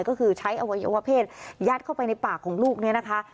ก็คือใช้อวัยวะเพศยัดเข้าไปในปากของลูกเนี่ยนะคะ